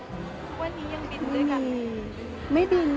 ทุกวันนี้ยังบินด้วยกัน